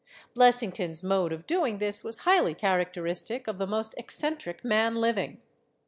Blessington's mode of doing this was highly characteristic of the most eccen tric man living.